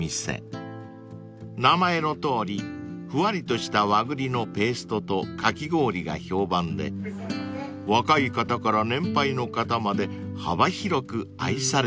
［名前のとおりふわりとした和栗のペーストとかき氷が評判で若い方から年配の方まで幅広く愛されています］